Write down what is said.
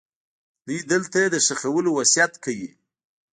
دوی دلته د ښخولو وصیت کوي.